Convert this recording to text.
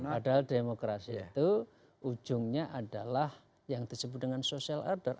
padahal demokrasi itu ujungnya adalah yang disebut dengan social order